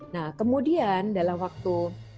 nah kemudian dalam waktu